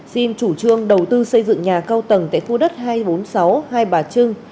xin chủ trương đầu tư xây dựng nhà cao tầng tại khu đất hai nghìn bốn trăm sáu mươi hai bà trưng